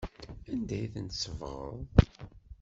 Anda ay tent-tsebɣeḍ?